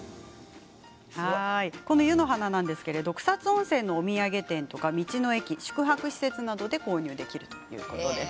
この湯の花は草津温泉のお土産店や道の駅宿泊施設などで購入できるということです。